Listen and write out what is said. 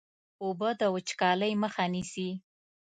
اوبه د وچکالۍ مخه نیسي.